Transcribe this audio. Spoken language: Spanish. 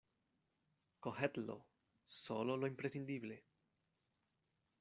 cogedlo ; solo lo imprescindible.